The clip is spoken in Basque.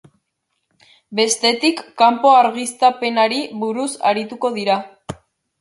Bestetik, kanpo argiztapenari buruz arituko dira.